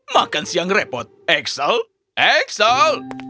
makan siang repot axel axel